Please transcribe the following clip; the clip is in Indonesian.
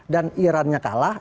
dan iran nya kalah